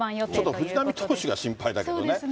ちょっと藤浪投手が心配だけどね。